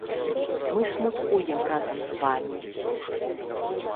Мы смуткуем разам з вамі.